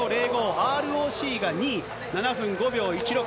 ＲＯＣが２位、７分５秒１６。